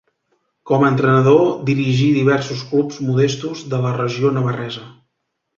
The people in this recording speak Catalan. Com a entrenador dirigí diversos clubs modestos de la regió navarresa.